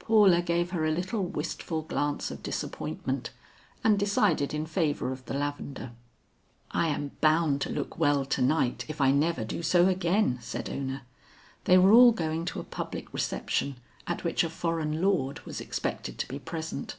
Paula gave her a little wistful glance of disappointment and decided in favor of the lavender. "I am bound to look well to night if I never do so again," said Ona. They were all going to a public reception at which a foreign lord was expected to be present.